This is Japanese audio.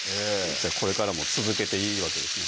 じゃあこれからも続けていいわけですね